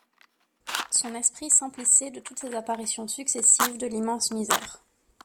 Son esprit s’emplissait de toutes ces apparitions successives de l’immense misère.